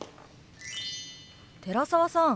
寺澤さん